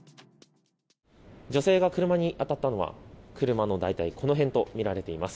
女性が車に当たったのは車の、この辺とみられています。